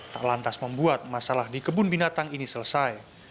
tak lantas membuat masalah di kebun binatang ini selesai